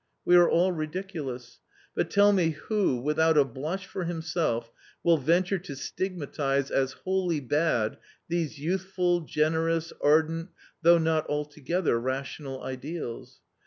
We are all ridiculous; but tell me who, without a blush for himself, will venture to stig matise as wholly bad these youthful, generous, ardent, though not altogether rational ideals